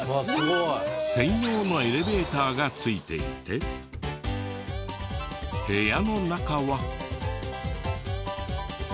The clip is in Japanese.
専用のエレベーターが付いていて部屋の中は。